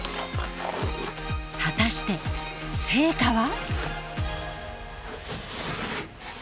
果たして成果は？